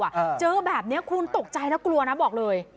เจอแบบนี้คุณตกใจแล้วกลัวนะบอกเลย